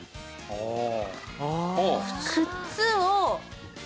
ああ。